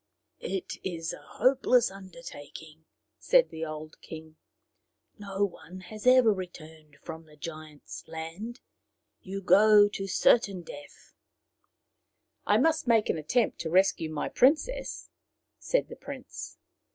" It is a hopeless undertaking/' said the old king. " No one has ever returned from the giant's land. You go to certain death." " I must make an attempt to rescue my prin cess," said the prince.